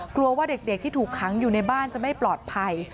กลัวว่าเด็กที่ถูกขังอยู่ในบ้านจะไม่ปลอดภัย